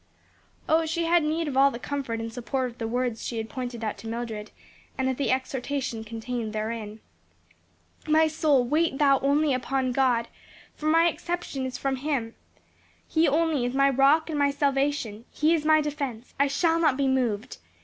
Oh, she had need of all the comfort and support of the words she had pointed out to Mildred, and of the exhortation contained therein. "My soul, wait thou only upon God; for my expectation is from him. He only is my rock and my salvation; he is my defense, I shall not be moved.